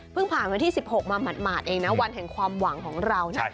ผ่านวันที่๑๖มาหมาดเองนะวันแห่งความหวังของเรานะ